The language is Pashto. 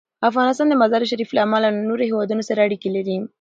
افغانستان د مزارشریف له امله له نورو هېوادونو سره اړیکې لري.